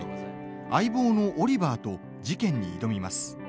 相棒のオリバーと事件に挑みます。